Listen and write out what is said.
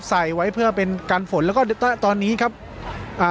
ใส่ไว้เพื่อเป็นการฝนแล้วก็ตอนนี้ครับอ่า